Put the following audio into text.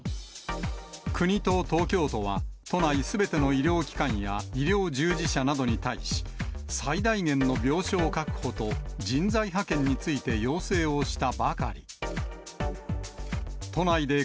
国と東京都は、都内すべての医療機関や、医療従事者などに対し、最大限の病床確保と人材派遣について要請をしたばかり。